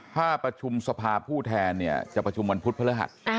ถ้าประชุมสภาผู้แทนเนี่ยจะประชุมวันพุธพฤหัส